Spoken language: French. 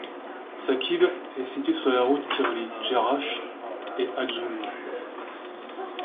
Sakib est situé sur la route qui relie Jerash et Ajloun.